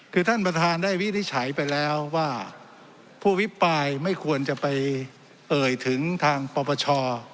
คือท่านประธานได้วินิจฉัยไปแล้วว่าผู้อภิปรายไม่ควรจะไปเอ่ยถึงทางปปช